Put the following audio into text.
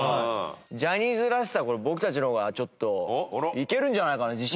ジャニーズらしさは僕たちの方がちょっといけるんじゃないかな？